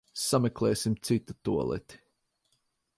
Sameklēsim citu tualeti.